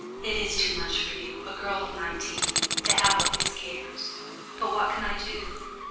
It is too much for you, a girl of nineteen, to have all these cares; but what can I do?"